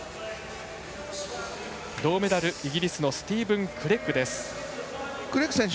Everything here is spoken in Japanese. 銅メダル、イギリスのスティーブン・クレッグです。